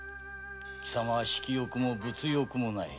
貴様には色欲も物欲もない。